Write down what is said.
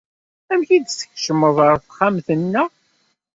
Amek i d-tkecmeḍ ɣer texxamt-nneɣ?